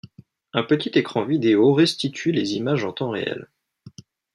Un petit écran vidéo restitue les images en temps réel.